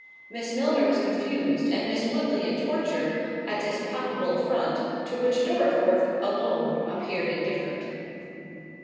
Miss Milner was confused, and Miss Woodley in torture, at this palpable affront, to which Dorriforth alone appeared indifferent.